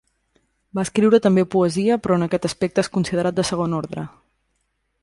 Va escriure també poesia però en aquest aspecte és considerat de segon ordre.